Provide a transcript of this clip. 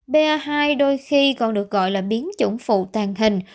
ba hai đôi khi còn được gọi là biến chủng phụ tàn hình